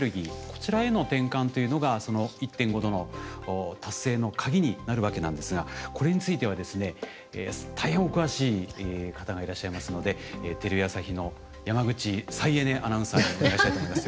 こちらへの転換というのがその１．５℃の達成のカギになるわけなんですがこれについてはですね大変お詳しい方がいらっしゃいますのでテレビ朝日の山口再エネアナウンサーにお願いしたいと思います。